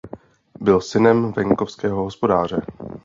Byl synem venkovského hospodáře.